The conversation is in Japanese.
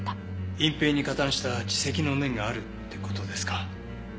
隠蔽に加担した自責の念があるって事ですか？